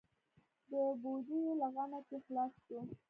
د پوجيو له غمه چې خلاص سو.